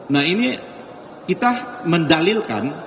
nah ini kita mendalilkan